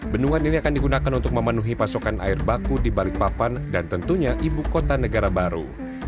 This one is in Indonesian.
bendungan ini akan digunakan untuk memenuhi pasokan air baku di balikpapan dan tentunya ibu kota negara baru